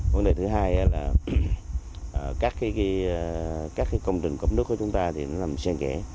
vấn đề thứ hai là các công trình cấp nước của chúng ta thì nó làm xen ghẽ